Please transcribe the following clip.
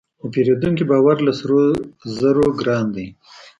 د پیرودونکي باور له سرو زرو ګران دی.